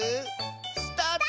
スタート！